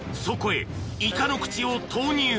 ［そこへイカの口を投入］